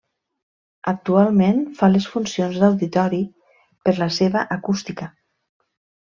Actualment fa les funcions d'auditori per la seva acústica.